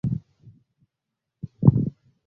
Anauza njugu karanga